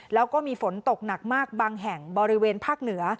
แล้วก็มีฝนตกหนักมากบางแห่งบริเวณภาคเหนือ